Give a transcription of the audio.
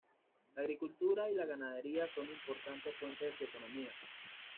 La agricultura y la ganadería son importantes fuentes de su economía.